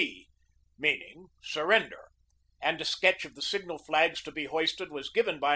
B.," meaning "Sur render," and a sketch of the signal flags to be hoisted was given by M.